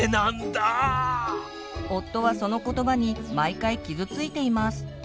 夫はその言葉に毎回傷ついています。